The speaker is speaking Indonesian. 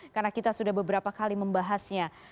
karena kita sudah beberapa kali membahasnya